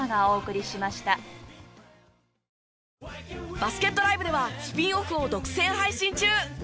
バスケットＬＩＶＥではスピンオフを独占配信中。